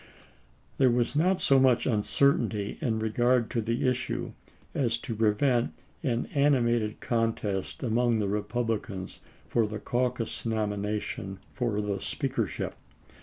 There was not so much uncertainty in regard to the issue as to prevent an animated contest among the Republicans for the caucus nomination for the Speakership.